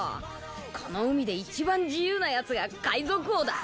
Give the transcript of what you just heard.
この海で一番自由なヤツが海賊王だ！